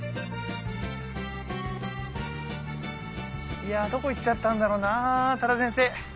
いやどこ行っちゃったんだろうな多田先生。